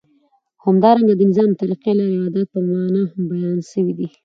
همدارنګه د نظام د طریقی، لاری او عادت په معنی هم بیان سوی دی.